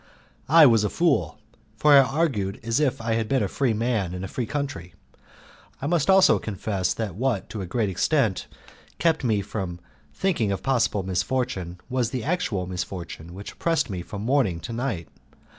I was a fool, for I argued as if I had been a free man in a free country. I must also confess that what to a great extent kept me from thinking of possible misfortune was the actual misfortune which oppressed me from morning to night.